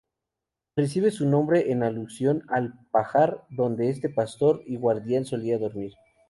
Recibe su nombre en alusión al pajar donde este pastor y guardián solía dormir.